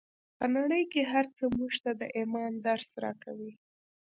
په نړۍ کې هر څه موږ ته د ايمان درس راکوي.